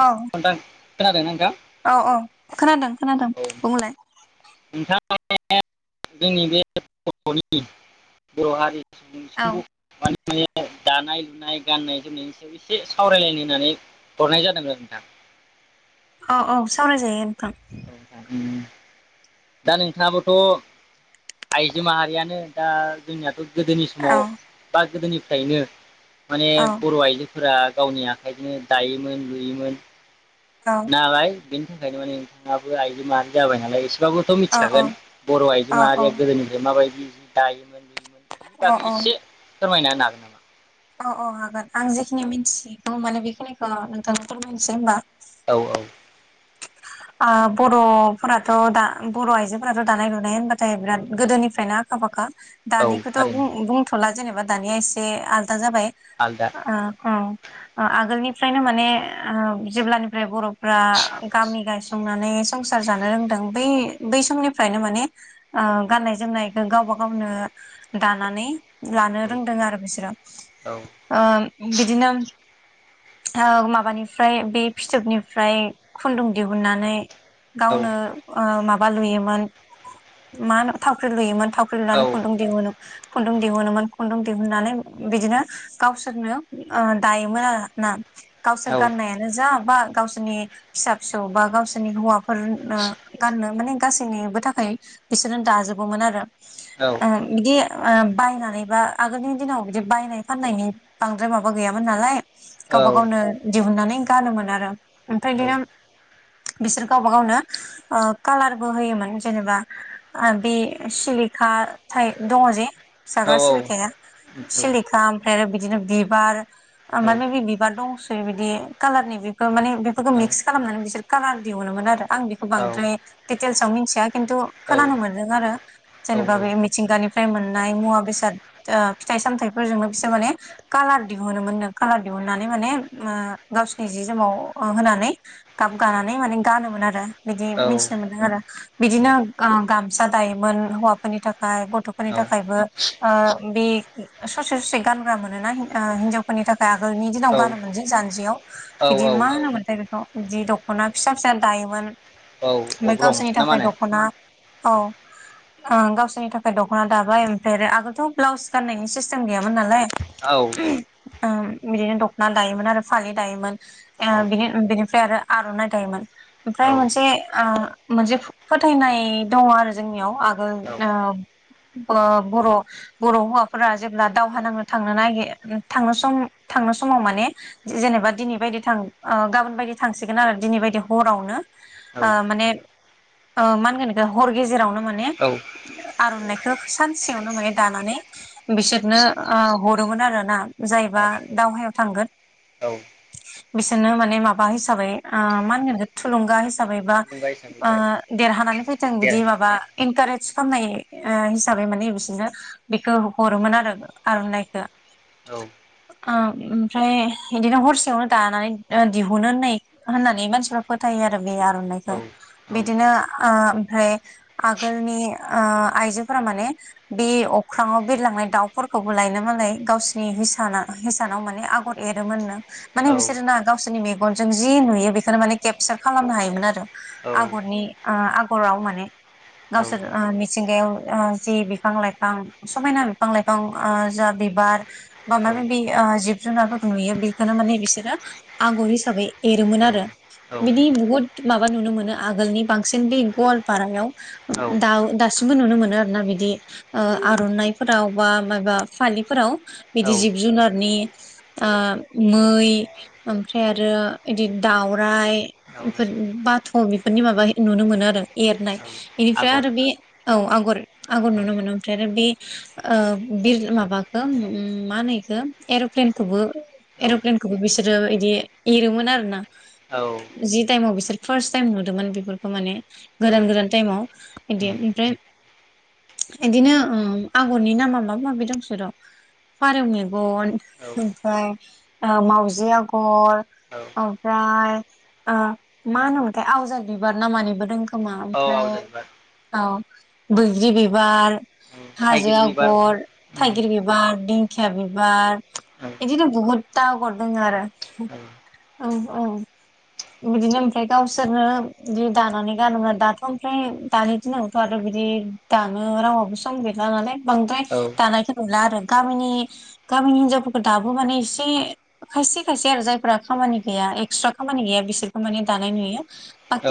औ नोंथां खोनादों ना नोंथा? औ औ खोनादों खोनादों बुंलाय, [unintelligible] जोंनि बे बर'नि बर' हारि, औ माने माने दानाय लुनाय गाननाय जोमनायनि सायाव एसे सावरायलायनो होननानै हरनाय जादों आरोना, औ औ सावरायजायो नोंथां दा नोंथाङाबोथ' आइजो माहारियानो दा जोंनियाथ' गोदोनि समाव औ बा गोदोनि खायनो माने औ बर' आइजोफोरा गावनि आखाइजोंनो दायोमोन लुयोमोन औ नालाय बेनि थाखायनो माने नोंथाङाबो आइजो माहारि जाबाय नालाय एसे ब्लाबोथ' औ मिथिखागोन बर' आइजो औ माहारिया गोदोनिफ्राय माबायदि दायोमोन बि बेनि बागै एसे फोरमायना हागोन नामा? औ औ हागोन आं जेखिनि मिन्थिगौ माने बेखिनिखौ नोंथां फोरमायनोसै होनोमबा। नामा? औ ओ बर'फोराथ' दा बर' आइजोफोराथ' दानाय लुनाय होनबाथाय बिराद गोदोनिफ्रायनो आखा फाखा औ दानिखौथ' थारैनो बुं बुंथ'ला जेनोबा दानिया एसे आल दा जाबाय आलदा ओ उम ओ आगोलनिफ्रायनो माने ओ जेब्लानिफ्राय बर'फो रा गामि गाय संनानै संसार जानो रोंदों बै बै समनिफ्रायनो माने ओ गाननाय जोमनायखौ गावबा गावनो दानानै लानो औ रोंदों आरो बिसोरो औ ओम बिदिनो ओ माबानिफ्राय बे फिथोबनिफ्राय खुन्दुं दिहु ननानै औ गावनो ओ माबा लुयोमोन मा थावख्रि लुयोमोन थाव लुनानै औ खुन्दुं दिहुनो खुन्दुं दिहुनोमोन खुन्दुं दिहुननानै बिदिनो गावसोरनो ओ दायोमोन आरो ना गावसोर औ गाननायानो जा बा गावसोरनि फिसा फि सौ बा गावसोरनि हौवाफोरनो गाननो माने गासैनिबो थाखाय बिसोरनो दाजोबोमोन आरो औ ओम बिदि ओ बायनानै बा आगोलनि दिनाव बिदि बायनाय फाननायनि बांद्राय माबा गैयामोन नालाय गावबा औ गावनो दिहुननानै गानोमोन आरो ओमफ्राय औ औ बिदिनो बिसोर गावबा गावनो ओ कालारबो होयोमोन जेनोबा बे ओ सिलिखा थाइ दङ जे औ जागा सिलिखाया औ सिलिखा ओमफ्राय आरो बिदिनो बिबार ओ औ औ माने बे बिबार दंसोयो बिदि कालारनि बेखौ माने बेफोरखौ मिक्स खालामनानै बिसोर कालार दिहुनोमोन आरो आं बेखौ बांद्राय दिटेलसाव मिथिया खिन्थु खोनानो मोनदों आरो जेनोबा बे मिथिंगानिफ्राय मोननाय मुवा बेसाद ओ फिथाइ सामथाइफोरजोंनो बिसोर माने कालार दिहुनोमोन नों कालार दिहुननानै माने ओ गावसोरनि जि जोमाव होनानै गाब गानानै माने गानोमोन आरो। बिदि मिथिनो मोनदों आरो बिदिनो गा-गामसा दायोमोन हौवाफोरनि थाखाय गथ'फोरनि थाखायबो ओ बे ससे ससे गानग्रा मोनोना ओ हिनजावफोरनि थाखाय। आगोलनि दिनाव गानोमोनजि जानजियाव बिदि मा होनोमोनथाय बेखौ। जि दक्ट अना फिसा फिसा दायोमोन। औ ओमफ्राय अग्रं गावसोरनि ना मा थाखाय होनो दख'ना औ ओ गावसोरनि थाखाय दख'ना दाबाय ओमफ्राय आरो आगोलथ' ब्लाउस गाननायनि सिस्टेम गैयामोन नालाय। औ ओ बिदिनो दख'ना दायोमोन आरो फालि दायोमोन ओ औ बिनि बिनिफ्राय आरो आर'नाइ दायोमोन औ ओमफ्राय मोनसे ओ मोनसे फोथायनाय दङ आरो जोंनियाव आगोल औ ओ ब-बर' बर' हौवाफोरा जेब्ला दावहा नांनो थांनो नागिर थांनो सम थांनो समाव माने जेनेबा दिनै बायदि थां ओ गाबोन बायदि थांसै [unintelligible] आरो दिनि बायदि हरावनो ओ माने ओ मा होनगोन बिखौ हर गेजेरावनो माने औ आर'नायखो सानसेयावनो माने दानानै बिसोरनो ओ हरोमोन आरो ना जायबा दावहायाव थांगोन औ औ बिसोरनो माने माबा हिसाबै ओ मा होनगोन इखो थुलुंगा हिसाबै बा थुलुंगा हिसाबै ओ देरहानानै फैथां बिदि देरहा माबा इनकारेज खामनाय ओ हिसाबै माने बिसोरनो बेखौ हरोमोन आरो आरनाइखो औ ओ ओमफ्राय इदिनो हरसेयावनो दानानै ओ दिहुनो होननाय होननानै मानसिफ्रा फोथायो आरो बे औ आर'नाइखौ औ बिदिनो ओमफ्राय आगोलनि ओ आइजोफोरा माने बे अख्राङाव बिरलांनाय दाउफोरखौबो लायनो मालाय गावसिनि हिसाना हिसानाव माने आगर एरोमोननो। माने औ बिसोर ना गाव बिसोरनि मेगनजों जि नुयो बेखौनो माने केपसार खालामनो हायोमोन आरो औ आगरनि ओ आगराव माने औ गावसोर ओ मिथिंगायाव ओ जि बिफां लाइफां समायना बिफां लाइफां ओ जा बिबार बा औ माबा माबि जिब जुनारफोरखो नुयो बेखौनो माने बिसोरो आगर हिसाबै एरोमोन आरो बिदि बुहुद माबा नुनो मोनो आगोलनि बांसिन बे गवालपारायाव। औ दाउ बिबो नुनो मोनो आरो ना बिदि ओ आरनाइफोराव बा माबा फालिफोराव औ बिदि जिब जुनारनि। ओ मै ओमफ्राय आरो बिदि दाउराइ बेफोर बाथ' बेफोरनि माबा नुनो मोनो आरो एरनाय। इनिफ्राय आगर आरो बे औ आगर आगर औ नुनो मोनो ओमफ्राय आरो बे ओ बिर माबाखौ उम मा होनो इखो एरप्लेनखौबो औ एरप्लेनखौबो बिसोरो बिदि एरोमोन आरो। ना औ जि ताइमआव बिसोर फार्स्ट टाइम नुदोंमोन बेफोरखौ माने गोदान गोदान टाइमाव बिदि उम ओमफ्राय इदिनो ओम आगरनि नामा माबा माबि दंसो र फारौ मेगन औ ओमफ्राय मावजि आगर औ ओमफ्राय ओ मा होनोमोथाय आवजार बिबार ना मानिबो दों खोमा ओमफ्राय आवजार बिबार औ बैग्रि बिबार हाजो थाइगिर बिबार आगर उम थाइगिर बिबार दिन खिया बिबार औ इदिनो बहुत ता आगर दों आरो औ औ औ बिदिनो ओमफ्राय गावसोरनो बिदि दानानै गानो आरो दाथ' ओमफ्राय दानि दिनावथ' आरो बिदि दानो रावाबो सम गैला नालाय। बांद्राय दानायखो नुला आरो गामिनि गामिनि हिनजावफोरखौ दाबो माने एसे खायसे खायसे आरो जायफ्रा खामानि गैया एक्सट्रा खामानि गैया बिसोरखौ मानानि दानाय नुयो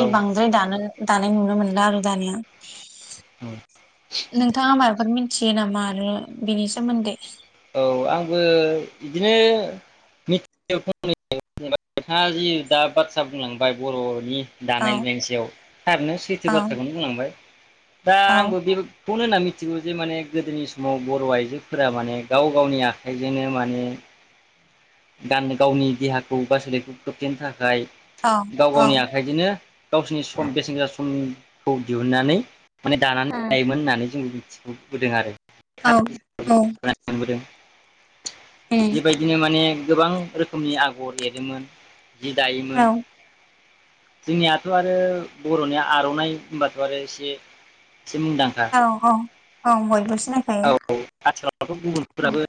औ बांद्राय दानो दानाय नुनो मोनला आरो दानिया नोंथाङा माबाफोर मिथियो नामा आरो बिनि सोमोन्दै औ आंबो बिदिनो मिथियो फंनैसो [unintelligible] जेनबा [unintelligible] नोंथाङा जि दा बाथ्रा बुंलांबाय बर'नि औ दानाय लुनायनि सायाव थारैनो सैथो औ बाथ्राखौनो बुंलांबाय दा औ आं बे [unintelligible] खौनो होनना मिथिगौ जे माने गोदोनि समाव बर' आइजोफोरा माने गाव गावनि आखाइजोंनो माने गानो गावनि देहाखौ एबा सोलोखौ खोबथेनो थाखाय औ गाव औ गावनि आखाइजोंनो गावसिनि सम बेसेन गोसा सम खौ दिहुनन्नानै माने दानानै उम लायोमोन होननानै जों बुं सिबुग [unintelligible] बोदों आरो। औ औ। मोनबोदों बेबायदिनो माने गोबां रोखोमनि आगर एरोमोन जि दायोमोन औ जोंनियाथ' आरो बर'नि आर'नाइ होनबाथ' आरो एसे एसे मुंदांखा औ औ औ बयबो सिनायखायो औ आथिखालथ' उम गुबुनफोराबो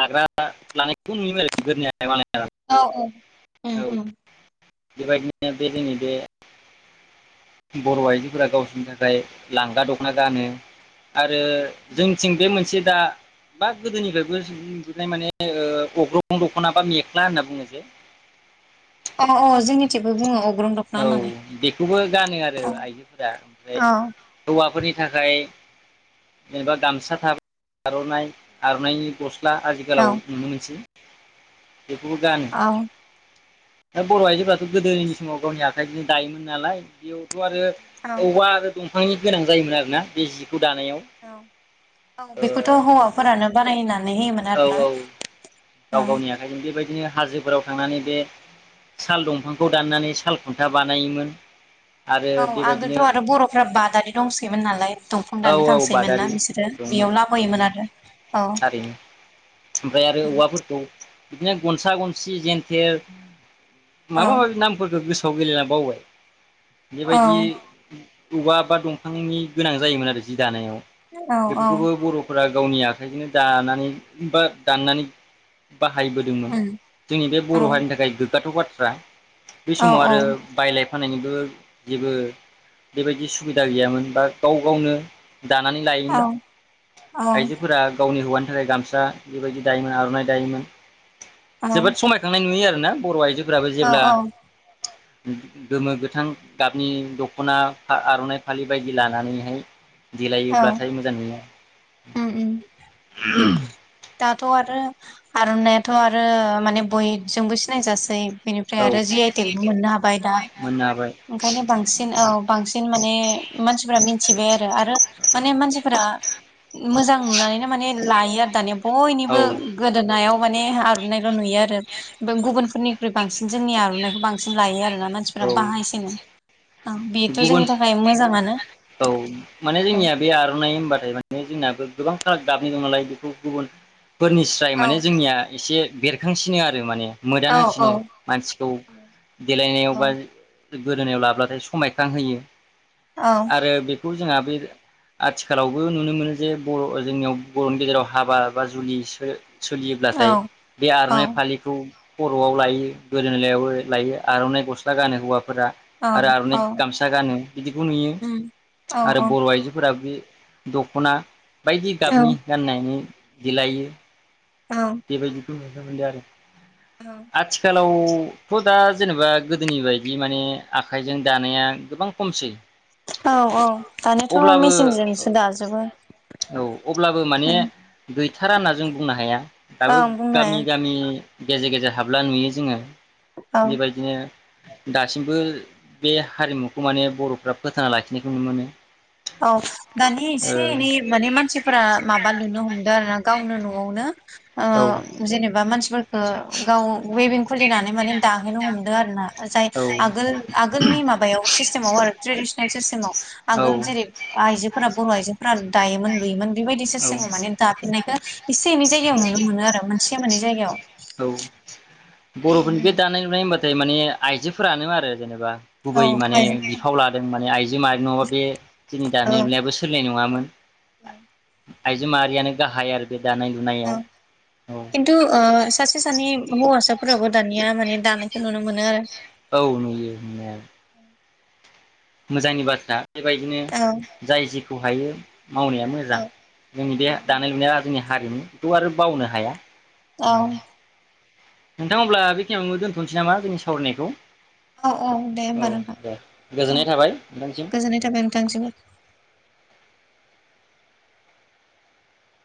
लाग्रा [unintelligible] लानायखौ नुयोमोन आरो बिफोरनिया [unintelligible] औ औ उम उम। बेबायदिनो बे जोंनि बे बर' आइजोफोरा गावसोरनि थाखाय लांगा दखना गानो आरो [unintelligible] जोंनिथिं बे मोनसे मोनसे दा बा गोदोनिफ्रायबो नुबोनाय माने ओ [unintelligible] अग्रं दख'ना बा मेख्ला होनना बुङो जे अ अ जोंनि थेवबो बुङो औ। औ बेखौबो गानो आरो औ आइजोफोरा ओमफ्राय औ हौवाफोरनि थाखाय जेनेबा गामसा थाब आर'नानायनि गस ला औ आजिखालाव नुनो मोनसै बेखौबो गानो। औ दा बर' आइजोफ्राथ' गोदोनि समाव गावनि आखाइ बिनो दायोमोन नालाय बेयाव थ' आरो औ अबावबा आरो। दंफांनि गोनां जायोमोन आरोना बे जि औ औ बेखौथ' हौवाफोरानो बानायो ना औ औ गाव गावनि आखाइजों बेबायदिनो हाजोफोराव थांनानै बे साल दंफांखौ दाननानै साल खुन्था बानायोमोन। आरो औ बेबायदिनो आगोलथ' आरो बर'फ्रा बादारि दंसैयोमोन नालाय दंफां औ दाननो औ बादारि थांसैयोमोना बिसोरो दंमोन बेयाव लाबोयोमोन आरो औ। ओमफाय आरो उम औवाफोरखौ बिदिनो गनसा गनसि जेेनथेर औ माबा माबि नामफोरखौ गोसो गोसोआव गैला ना बावबाय औ औ बेबायदि औवा बा दंफांनि गोनां जायोमोन आरो जि दानायाव। बेफोरखौबो बर'फोरा गावनि आखाइजोंनो दानानै बा दाननानै बाहायबोदोंमोन औ जोंनि बे बर' हारिनि थाखाय गोग गाथाव बाथ्रा। बे औ समाव आरो बायलाय फाननायनिबो जेबो दानानै औ लायोमोन औ आइजोफोरा गावनि हौवानि थाखाय गाम सा बेबायदि दायोमोन आर'नाइ दायोमोन। औ जोबोद समायखांनाय नुयो आरोना। बर' आइजो फोराबो औ जेब्ला गोमो गोथां गाबनि दख'ना आ आर'नाइ फालि बायदि लानानैहाय औ देलायोब्लाथाय मोजां नुयो। औ। [unintelligible] दाथ' आरो आर'नायाथ' आरो माने बयजोंबो सिनायजासै बेनिफ्राय औ आरो जि आइटिकबो मोननो हाबाय दा मोननो हाबाय ओंखायनो बांसिन औ बांसिन माने मानसिफोरा मिथिबाय आरो आरो माने मानसिफोरा मोजां नुनानैनो माने लायो आरो दानिया बयनिबो औ गोदोनायाव माने आर'नायल' नुयो आरो ओ गुबुन फोरनिख्रइ औ बांसिन। जोंनि आर'नाइखौ बांसिन लायो आरोना मानसिफोरा बाहायसिनो औ बेथ' गुबुन जोंनि थाखाय मोजाङानो औ माने औ जोंनिया बे आर'नाइ होनबाथाय माने जोंनाबो गोबां फाराग [unintelligible] नालाय बेखौ गुबुन फोरनिस्राय औ माने जोंनिया एसे बेरखांसिनो आरो माने। मोदान औ औ होसिनो। मानसिखौ देलायनायाव औ बा गोदोनायाव लाब्लाथाय समायखांहोयो। आरो बे खौ जोंहा बे आथिखालावबो नुनो मोनो जे बर' ओ जोंनियाव बर'नि गेजेराव हाबा बा जुलि सो औ सोलियोब्लाथाय बे आर'नाइ औ फालिखौ खर'आव लायो। गोदोलायावबो लायो आर'नाइ गस्ला गानो हौवा फोरा आरो आर'नाइ औ गामसा गानो बिदिखौ नुयो उम औ आरो औ बर' आइजोफोरा बे दख'ना बायदि औ गाबनि गाननायनि देलायो। औ बेबायदि [unintelligible] आथिखाल लावथ' दा जेनेबा गोदोनि बायदि माने आखाइजों दानाया गोबां खमसै। औ औ दानिथ' अब्लाबो मेसिनजोंसो दाजोबो। थारा होनना जों बुंनो हाया। दाबो ओं बुंनो हाया गामि गामि गेजेर गेजेर हाबला नुयो जोङो। औ बेबायदिनो दासिमबो बे हारिमुखौ माने बर'फ्रा फोथांना लाखिनायखौ नुनो मोनो। औ दानि एसे एनै ओ माने मानसिफोरा माबा लुनो हमदों आरो ना। गावनो न'आवनो। ओ औ जेनेबा मानसिफोरखौ गाव वेबिं खुलिनानै माने दाहोनो हमदों आरो ना जाय औ आगोल आगोलनि माबायाव सिस्टेमाव आरो ट्रेडिसनेल सिस्टेमाव आगोल जेरै आइजोफोरा बर' आइजोफोरा दायोमोन लुयोमोन। बेबायदि सिस्टेमाव माने दफिननायखौ इसे एनै जायगायाव नुनो मोनो आरो। से मोननै जायगायाव। औ। बर'फोरनि बे दानाय लुनाय होम जाय माने आइजोफोरानो आरो जेनेबा औ गुबै माने बिफाव लादों माने आइजो माहारि नङाबा बे जोंनि दानाय लुनायाबो सोलिनाय नङा मोन। औ आयजो माहारियानो गाहाय आरो बे दानाय लुनायाव औ खिन्थु ओ सासे सानै हौवासाफोराबो दानिया माने दानायखौ नुनो मोनो आरो। औ नुयो नुनायालाय। मोजांनि बाथ्रा। बेबायदिनो औ जाय जि खौ हायो। मावनाया मोजां औ जोंनि बे उम दानाय लुनाया जोंनिया हारिमुखौ आरो बावनो हाया। औ नोंथां अब्ला बेखिनियावनो दोनथ'नोसै नामा जोंनि सावरायनायखौ? औ औ दे औ होमबा नोंथां दे औ गोजोननाय थाबाय नोंथांसिम गोजोननाय थाबाय नोंथांनिसिम।